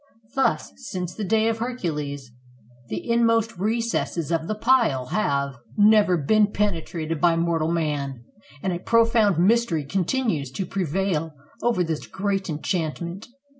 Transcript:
Thus, since the days of Hercules, the inmost recesses of the pile have never been penetrated by mortal man, and a profound mystery continues to prevail over this great enchant ment.